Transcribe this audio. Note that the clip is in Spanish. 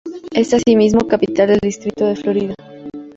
Es asimismo capital del distrito de Florida.